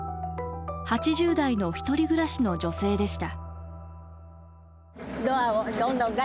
８０代の１人暮らしの女性でした。